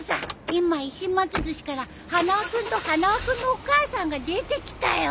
今石松寿司から花輪君と花輪君のお母さんが出てきたよ！